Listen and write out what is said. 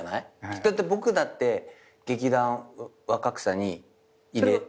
だって僕だって劇団若草に入れさせられて。